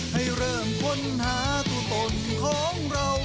ให้เริ่มค้นหาตัวตนของเรา